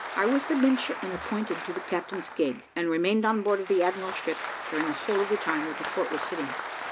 I was the midshipman appointed to the captain's gig, and remained on board of the admiral's ship during the whole of the time that the court was sitting.